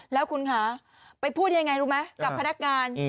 แล้วคุณคะไปพูดยังไงรู้ไหมกับพนักงาน